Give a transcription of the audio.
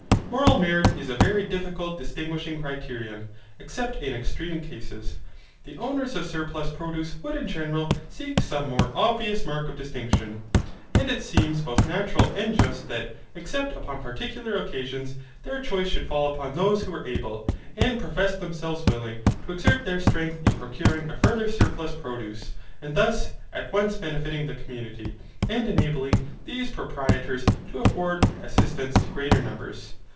Moral merit is a very difficult distinguishing criterion, except in extreme cases. The owners of surplus produce would in general seek some more obvious mark of distinction. And it seems both natural and just that, except upon particular occasions, their choice should fall upon those who were able, and professed themselves willing, to exert their strength in procuring a further surplus produce; and thus at once benefiting the community, and enabling these proprietors to afford assistance to greater numbers.